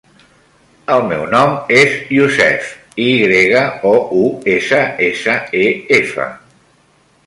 El meu nom és Youssef: i grega, o, u, essa, essa, e, efa.